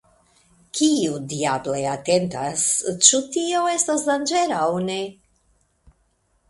Kiu, diable, atentas, ĉu tio estas danĝera aŭ ne!